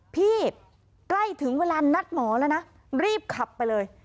ใกล้ถึงเวลานัดหมอแล้วนะรีบขับไปเลย